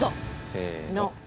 せの。